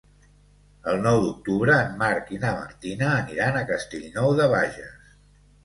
El nou d'octubre en Marc i na Martina aniran a Castellnou de Bages.